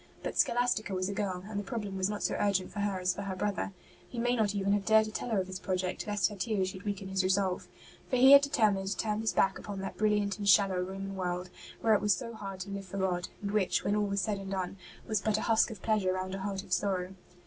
But Scholastica was a girl, and the problem was not so urgent for her as for her brother. He may not even have dared to tell her of his project, lest her tears should weaken his resolve. For he had determined to turn his back upon that brilliant and shallow Roman world, where it was so hard to live for God, and which, when all was said and done, was but '' a husk of pleasure round a heart of sorrow.''